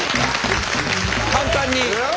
簡単に。